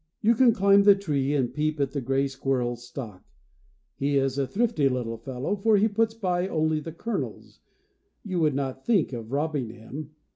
You can climb the tree and peep at the gray squirrel's stock. He is a thrifty little fellow, for he puts by only the kernels. You would not think of robbing him.